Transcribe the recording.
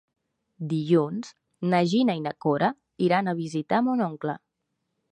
Dilluns na Gina i na Cora iran a visitar mon oncle.